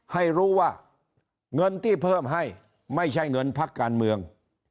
ให้รู้ว่าเงินที่เพิ่มให้ไม่ใช่เงินพักการเมือง